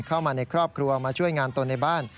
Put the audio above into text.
เข้ามาในครอบครัวมาช่วยงานตนในบ้าน